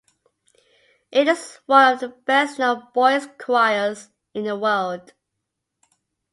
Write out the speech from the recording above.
It is one of the best known boys' choirs in the world.